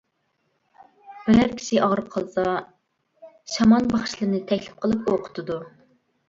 بىرەر كىشى ئاغرىپ قالسا شامان باخشىلىرىنى تەكلىپ قىلىپ ئوقۇتىدۇ.